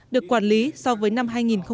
được quản lý so với năm hai nghìn một mươi